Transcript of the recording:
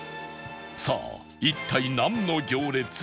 さあ一体なんの行列？